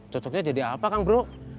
cocoknya jadi apa kang bro